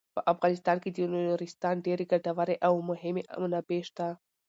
په افغانستان کې د نورستان ډیرې ګټورې او مهمې منابع شته.